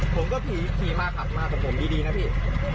ผมก็ขี่มาขับมากับผมดีนะพี่